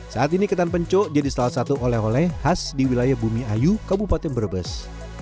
saat ini ketan penco jadi salah satu oleh oleh khas di wilayah bumi ayu kabupaten brebes